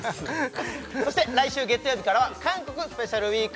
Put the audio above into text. そして来週月曜日からは韓国スペシャルウイーク